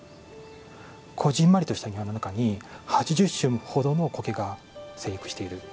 小ぢんまりとした庭の中に８０種ほどの苔が生育している。